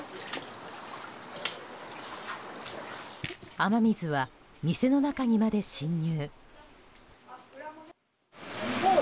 雨水は、店の中にまで浸入。